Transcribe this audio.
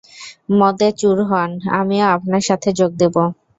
মদে চুর হোন, আমিও আপনার সাথে যোগ দেব।